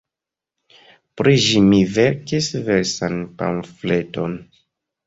Pri ĝi mi verkis versan pamfleton.